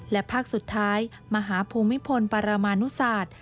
และภาคสุดท้ายมหาภูมิพลปรมานุศาสตร์